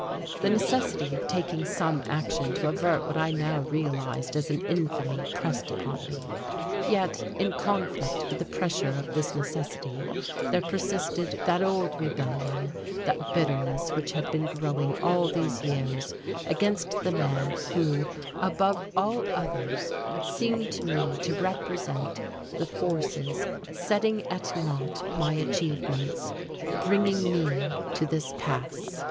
The necessity of taking some action to avert what I now realized as an infamy pressed upon me, yet in conflict with the pressure of this necessity there persisted that old rebellion, that bitterness which had been growing all these years against the man who, above all others, seemed to me to represent the forces setting at nought my achievements, bringing me to this pass....